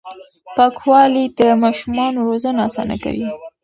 پاکوالي د ماشومانو روزنه اسانه کوي.